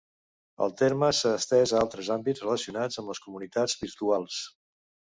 El terme s'ha estès a altres àmbits relacionats amb les comunitats virtuals.